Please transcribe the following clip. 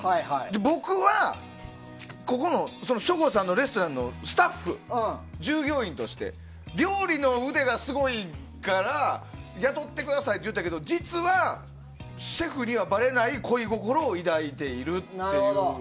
僕は、省吾さんのレストランのスタッフ従業員として。料理の腕がすごいから雇ってくださいって言ったけど実は、シェフにはばれない恋心を抱いているという。